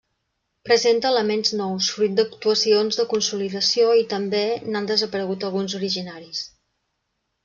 Presenta elements nous, fruit d'actuacions de consolidació, i també n'han desaparegut alguns originaris.